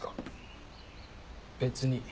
別に。